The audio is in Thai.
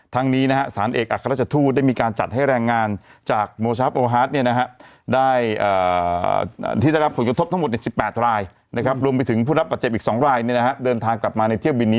ทั้งนี้นะฮะสารเอกอัครัชทูได้มีการจัดให้แรงงาน